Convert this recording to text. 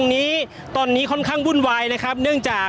ก็น่าจะมีการเปิดทางให้รถพยาบาลเคลื่อนต่อไปนะครับ